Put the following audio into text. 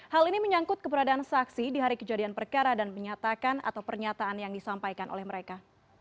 hal ini menyangkut keberadaan saksi di hari kejadian perkara dan menyatakan atau pernyataan yang disampaikan oleh mereka